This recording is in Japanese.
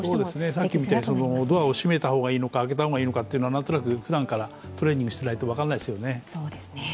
さっきみたいにドアを閉めた方がいいのか、開けた方がいいかは何となくふだんからトレーニングしていないと分からないですよね。